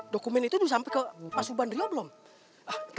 teman terima kasih left